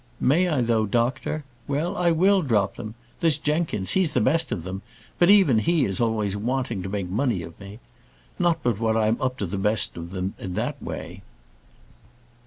"May I though, doctor? Well, I will drop them. There's Jenkins; he's the best of them; but even he is always wanting to make money of me. Not but what I'm up to the best of them in that way."